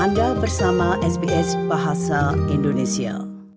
anda bersama sbs bahasa indonesia